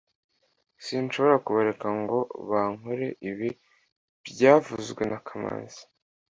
Sinshobora kubareka ngo bankore ibi byavuzwe na kamanzi